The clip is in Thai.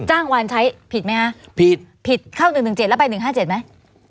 จ้างวานใช้ผิดไหมฮะผิดผิดเข้าหนึ่งหนึ่งเจ็ดแล้วไปหนึ่งห้าเจ็ดไหม